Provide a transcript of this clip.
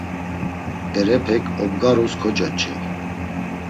Berepek obgarus kocoç̌ey.